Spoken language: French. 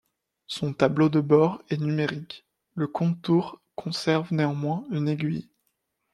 Son tableau de bord est numérique, le compte-tours conserve néanmoins une aiguille.